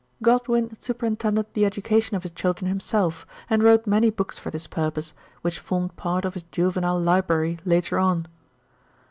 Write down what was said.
Godwin superintended the education of his children himself, and wrote many books for this purpose, which formed part of his juvenile library later on.